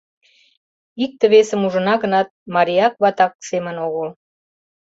Икте-весым ужына гынат, марияк-ватак семын огыл.